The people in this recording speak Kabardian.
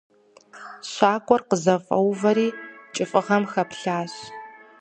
Щакӏуэр къызэфӏэувэри кӏыфӏыгъэм хэплъащ.